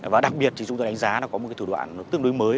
và đặc biệt chúng tôi đánh giá có một thủ đoạn tương đối mới